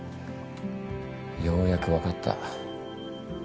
ようやくわかった。